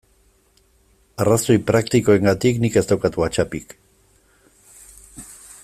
Arrazoi praktikoengatik nik ez daukat WhatsAppik.